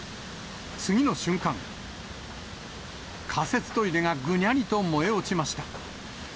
次の瞬間、仮設トイレがぐにゃりと燃え落ちました。